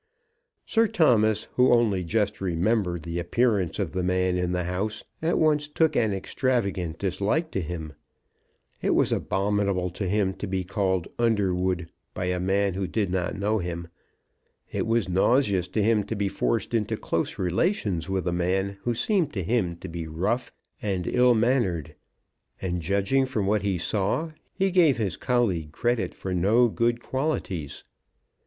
Sir Thomas, who only just remembered the appearance of the man in the House, at once took an extravagant dislike to him. It was abominable to him to be called Underwood by a man who did not know him. It was nauseous to him to be forced into close relations with a man who seemed to him to be rough and ill mannered. And, judging from what he saw, he gave his colleague credit for no good qualities.